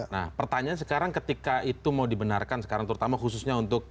nah pertanyaan sekarang ketika itu mau dibenarkan sekarang terutama khususnya untuk